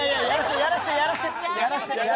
やらしてやらして！